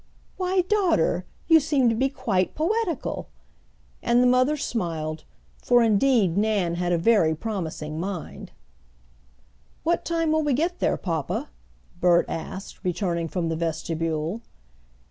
"Why, daughter, you seem to be quite poetical!" and the mother smiled, for indeed Nan had a very promising mind. "What time will we get there, papa?" Bert asked, returning from the vestibule.